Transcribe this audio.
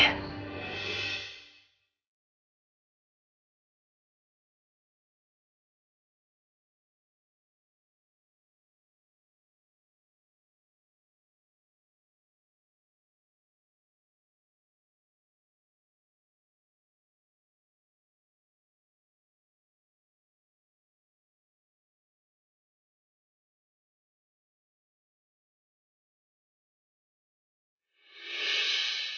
saat itu hari semua arnold juga bersama